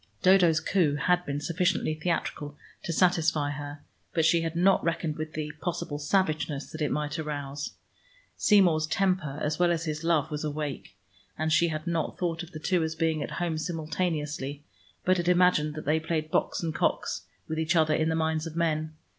Dodo's coup had been sufficiently theatrical to satisfy her, but she had not reckoned with the possible savageness that it might arouse. Seymour's temper, as well as his love, was awake, and she had not thought of the two as being at home simultaneously, but had imagined they played Box and Cox with each other in the minds of men.